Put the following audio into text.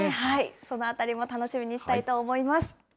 そのあたりも楽しみにしたいと思います。